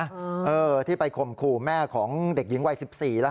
เออที่ไปข่มขู่แม่ของเด็กหญิงวัย๑๔แล้ว